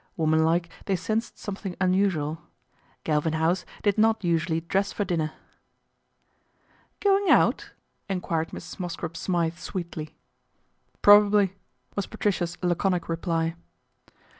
Woman like they sensed something un usual. Galvin House did not usually dress for dinner. " Going out ?" enquired Mrs. Mosscrop Smythe sweetly. " Probably/' was Patricia's laconic reply.